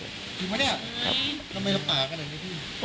จริงป่ะนี่ทำไมจะป่ากันอย่างนี้พี่